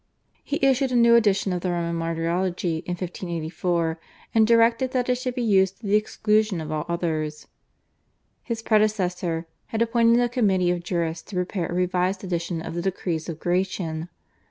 He issued a new edition of the Roman Martyrology in 1584, and directed that it should be used to the exclusion of all others. His predecessor had appointed a committee of jurists to prepare a revised edition of the Decrees of Gratian.